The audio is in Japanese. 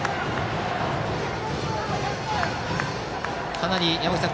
かなり山口さん